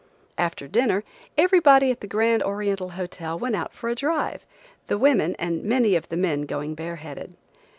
After dinner, everybody at the Grand Oriental Hotel went out for a drive, the women, and many of the men going bare headed.